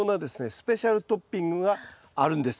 スペシャルトッピングがあるんです。